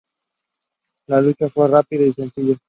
La lucha fue rápida y sencilla.